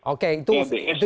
oke itu itu